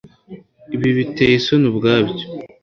Ibi biteye isoni ubwabyo.